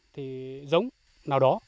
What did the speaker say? thì giống nào đó